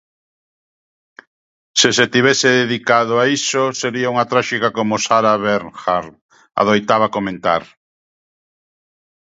Se se tivese dedicado a iso sería unha tráxica como Sarah Bernhardt, adoitaba comentar.